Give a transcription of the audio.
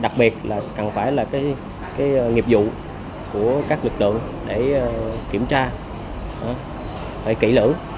đặc biệt là cần phải là nghiệp vụ của các lực lượng để kiểm tra phải kỹ lưỡng